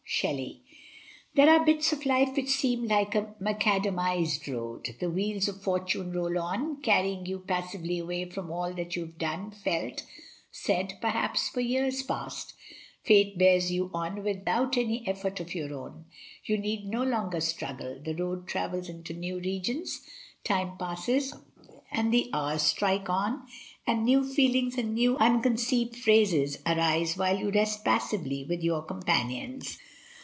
Shelley. There are bits of life which seem like a maca damised road. The wheels of fortune roll on, carry ing you passively away from all that you have done, felt, said, perhaps for years past; fate bears you on without any effort of your own, you need no longer struggle, the road travels into new regions, time passes and the hours strike on, and new feelings and new unconceived phases arise while you rest passively with your companions.